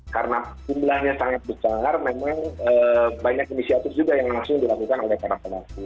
karena jumlahnya sangat besar memang banyak inisiatif juga yang langsung dilakukan oleh para pelaku